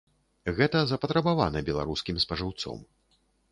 Гэта запатрабавана беларускім спажыўцом.